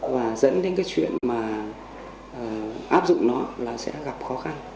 và dẫn đến cái chuyện mà áp dụng nó là sẽ gặp khó khăn